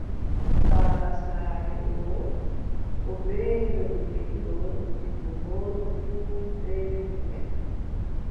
Baaba saare oo, o bee rewɓe ɗiɗo, debbo gooto fuu bee ɓiŋngel.